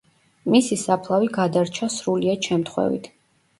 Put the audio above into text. მისი საფლავი გადარჩა სრულიად შემთხვევით.